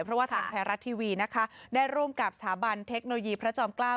เพราะว่าทางไทยรัฐทีวีนะคะได้ร่วมกับสถาบันเทคโนโลยีพระจอมเกล้า